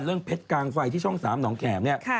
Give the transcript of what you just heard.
เรื่องเพชรกางไฟที่ช่องสามหนองแขมเนี่ย